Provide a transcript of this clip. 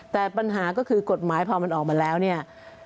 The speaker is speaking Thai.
แต่ปัญหาก็คือกฎหมายพอมันออกมาแล้วเนี่ย